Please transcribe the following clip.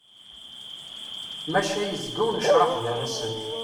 Maca yezga unecreḥ gar-asen.